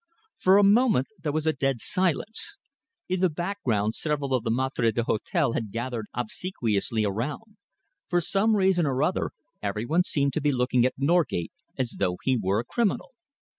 For a moment there was a dead silence. In the background several of the maîtres d'hôtel had gathered obsequiously around. For some reason or other, every one seemed to be looking at Norgate as though he were a criminal.